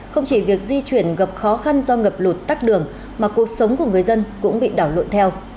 không chỉ việc di chuyển gặp khó khăn do ngập lụt tắt đường mà cuộc sống của người dân cũng bị đảo lộn theo